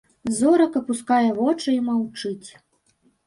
Зорах апускае вочы і маўчыць.